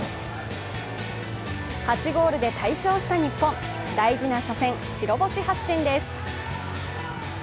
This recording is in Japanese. ８ゴールで大勝した日本大事な初戦、白星発進です。